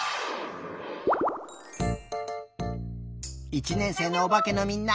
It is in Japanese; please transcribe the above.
１年生のおばけのみんな。